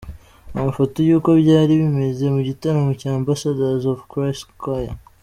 Amafoto y'uko byari bimeze mu gitaramo cya Ambassadors of Christ choir.